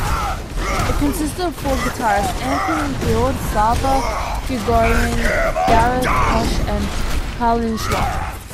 It consisted of four guitarists Anthony Field, Slava Grigoryan, Gareth Koch and Karin Schaupp.